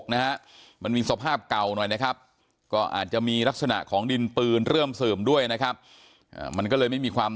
นะฮะมันมีสภาพเก่าหน่อยนะครับก็อาจจะมีลักษณะของดินปืนเริ่มเสื่อมด้วยนะครับมันก็เลยไม่มีความ